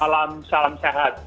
salam salam sehat